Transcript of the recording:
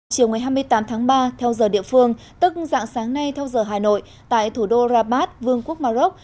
chiều hai mươi tám tháng ba theo giờ địa phương tức dạng sáng nay theo giờ hà nội tại thủ đô rabat vương quốc mà rốc